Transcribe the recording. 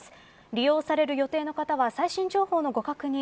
利用される予定の方は最新情報のご確認